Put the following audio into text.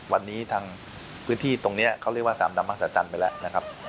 วันนี้ทางพื้นที่ตรงนี้เขาเรียกว่าสามดำมัศจรรย์ไปแล้วนะครับ